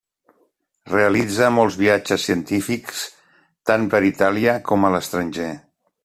Realitza molts viatges científics, tant per Itàlia com a l'estranger.